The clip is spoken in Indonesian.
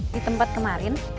di tempat kemarin